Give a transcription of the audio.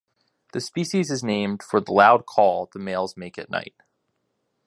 The species is named for the loud call the males make at night.